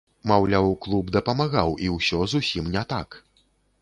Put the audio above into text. Маўляў, клуб дапамагаў, і ўсё зусім не так.